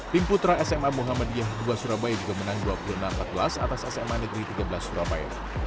tim putra sma muhammadiyah ii surabaya juga menang dua puluh enam empat belas atas sma negeri tiga belas surabaya